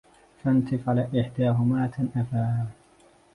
فانتف على إحداهما تنائفا